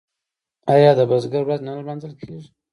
آیا د بزګر ورځ نه لمانځل کیږي؟